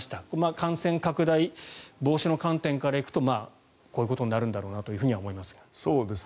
感染拡大防止の観点から行くとこういうことになるんだろうなと思いますが。